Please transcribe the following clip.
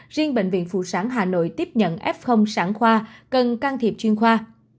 riêng bệnh viện phụ sản hà nội tiếp nhận f sản khoa cần can thiệp chuyên khoa